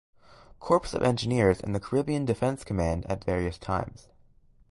Corps of Engineers and the Caribbean Defense Command at various times.